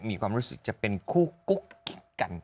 มีความรู้สึกจะเป็นคู่กุ๊กกัน